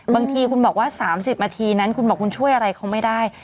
บางทีคุณบอกว่า๓๐นาทีนั้นคุณบอกคุณช่วยอะไรเขาไม่ได้